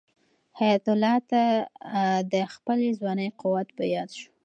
حیات الله ته د خپل ځوانۍ قوت په یاد شو.